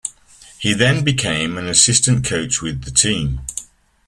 He then became an assistant coach with the team.